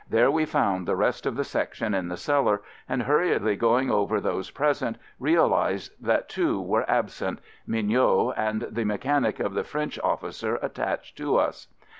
There we found the rest of the Section in the cellar, and hurriedly going over those present, real ized that two were absent — Mignot, and the mechanic of the French officer at 74 AMERICAN AMBULANCE tached to us.